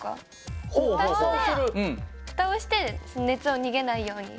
ふたをして熱を逃げないように。